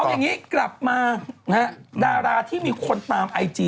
เอาอย่างนี้กลับมานะฮะดาราที่มีคนตามไอจี